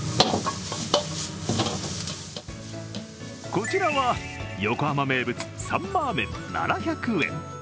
こちらは横浜名物サンマーメン７００園。